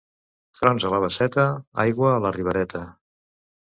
Trons a la Basseta, aigua a la Ribereta.